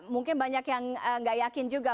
mungkin banyak yang nggak yakin juga